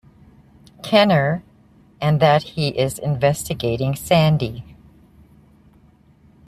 Kenner, and that he is investigating Sandy.